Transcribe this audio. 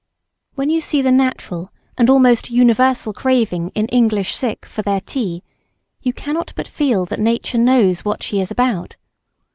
When you see the natural and almost universal craving in English sick for their "tea," you cannot but feel that nature knows what she is about.